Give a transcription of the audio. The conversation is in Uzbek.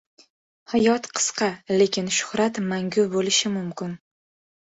Hayot qisqa, lekin shuhrat mangu bo‘lishi mumkin.